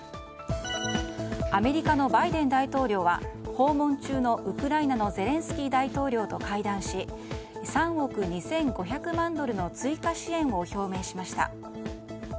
アメリカのバイデン大統領は訪問中のウクライナのゼレンスキー大統領と会談し３億２５００万ドルの追加支援を表明しました。